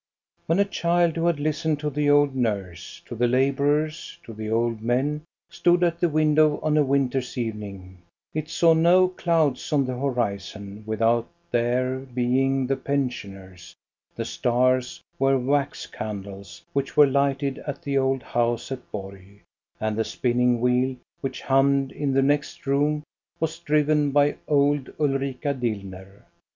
When a child, who had listened to the old nurse, to the laborers, to the old men, stood at the window on a winter's evening, it saw no clouds on the hori zon without their being the pensioners; the stars were wax candles, which were lighted at the old house at Borg; and the spinning wheel which hummed in the next room was driven by old Ulrika Dillner.